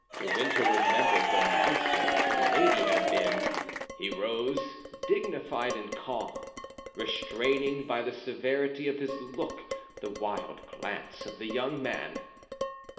De Winter remembered the monster that Milady had been; he rose, dignified and calm, restraining by the severity of his look the wild glance of the young man.